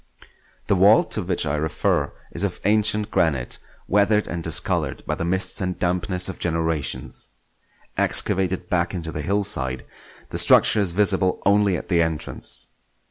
The vault to which I refer is of ancient granite, weathered and discoloured by the mists and dampness of generations. Excavated back into the hillside, the structure is visible only at the entrance.